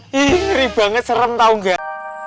ih ngeri banget serem tau nggak